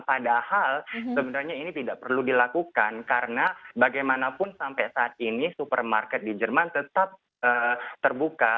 padahal sebenarnya ini tidak perlu dilakukan karena bagaimanapun sampai saat ini supermarket di jerman tetap terbuka